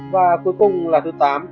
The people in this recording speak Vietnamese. và cuối cùng là thứ tám